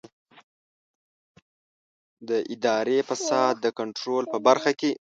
د اداري فساد د کنټرول په برخه کې.